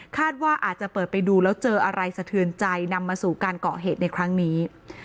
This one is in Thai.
ว่าอาจจะเปิดไปดูแล้วเจออะไรสะเทือนใจนำมาสู่การเกาะเหตุในครั้งนี้